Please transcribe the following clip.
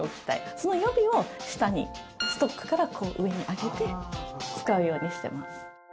その予備を下にストックから上に上げて使うようにしてます。